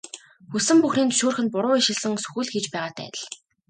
Хүссэн бүхнийг нь зөвшөөрөх нь буруу ишилсэн сүх л хийж байгаатай адил.